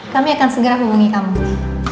kami akan segera hubungi kami